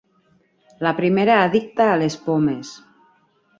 La primera addicta a les pomes.